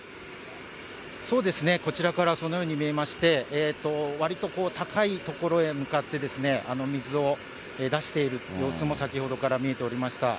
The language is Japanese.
そうですね、こちらからはそのように見えまして、わりと高い所へ向かって、水を出している様子も先ほどから見えておりました。